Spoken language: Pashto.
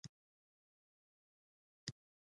تر لږ ګرځېدو وروسته مې وغوښتل.